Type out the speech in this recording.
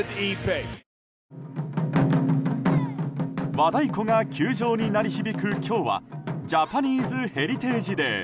和太鼓が球場に鳴り響く今日はジャパニーズ・ヘリテージデー。